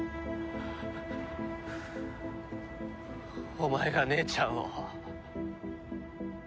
お前が姉ちゃんを？